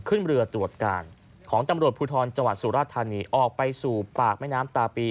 ขึ้นเรือตรวจการของตำรวจภูทรจังหวัดสุราธานีออกไปสู่ปากแม่น้ำตาปี